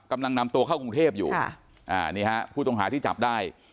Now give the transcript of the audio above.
กำลังนำตัวเข้ากรุงเทพอยู่นี่ฮะผู้ต้องหาที่จับได้